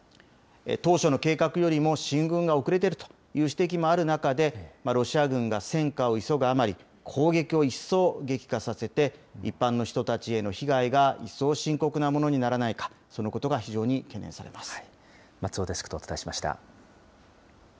当初の計画よりも進軍が遅れているという指摘もある中で、ロシア軍が戦果を急ぐあまり、攻撃を一層激化させて、一般の人たちへの被害が一層深刻なものにならないか、そのことが松尾デスクとお伝えしました。